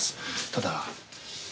ただ。